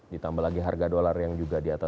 ditambah lagi harga dolar yang juga di atas